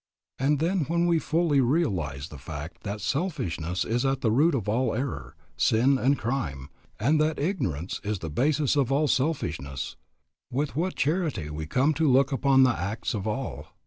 And then when we fully realize the fact that selfishness is at the root of all error, sin, and crime, and that ignorance is the basis of all selfishness, with what charity we come to look upon the acts of all.